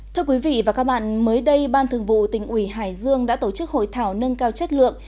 thưa quý vị và các bạn mới đây ban thường vụ tỉnh ủy hải dương đã tổ chức hội thảo nâng cao chất lượng